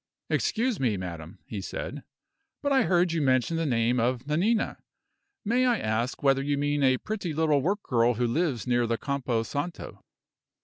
"Excuse me, madam," he said, "but I heard you mention the name of Nanina. May I ask whether you mean a pretty little work girl who lives near the Campo Santo?"